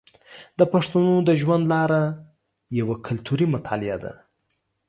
د پښتنو د ژوند لاره یوه کلتوري مطالعه ده.